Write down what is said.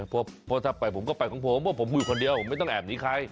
เพราะถ้าไปผมก็ไปของผมเพราะผมอยู่คนเดียวผมไม่ต้องแอบหนีใคร